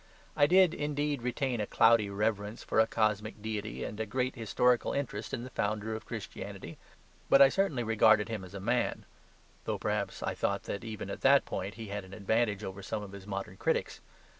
I did, indeed, retain a cloudy reverence for a cosmic deity and a great historical interest in the Founder of Christianity. But I certainly regarded Him as a man; though perhaps I thought that, even in that point, He had an advantage over some of His modern critics.